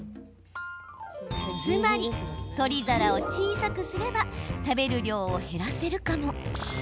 つまり、取り皿を小さくすれば食べる量を減らせるかも。